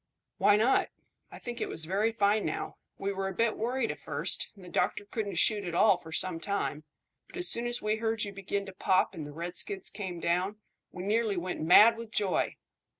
"Why not? I think it was very fine now. We were a bit worried at first, and the doctor couldn't shoot at all for some time; but as soon as we heard you begin to pop and the redskins came down, we nearly went mad with joy.